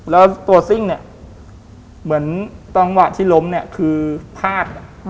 แล้วตัวซิ่งเนี่ยเหมือนตอนเวลาที่ล้มเนี่ยคือพาดอ่ะ